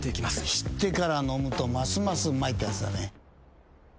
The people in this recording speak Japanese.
知ってから飲むとますますうまいってやつだね。